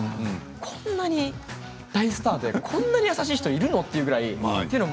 こんなに大スターでこんなに優しい人いるの、というぐらい。